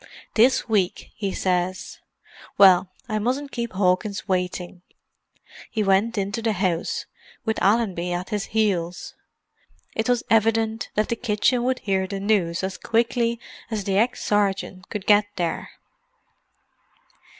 "This week, he says. Well, I mustn't keep Hawkins waiting." He went into the house, with Allenby at his heels. It was evident that the kitchen would hear the news as quickly as the ex sergeant could get there.